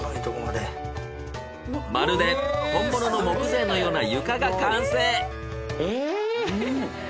まるで本物の木材のような床が完成！